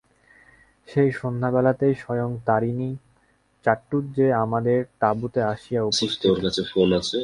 সেই সন্ধ্যাবেলাতেই স্বয়ং তারিণী চাটুজ্জে আমাদের তাঁবুতে আসিয়া উপস্থিত।